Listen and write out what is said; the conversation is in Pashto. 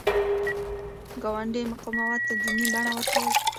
ګاندي مقاومت ته دیني بڼه ورکوله.